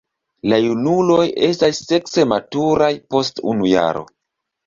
La junuloj estas sekse maturaj post unu jaro.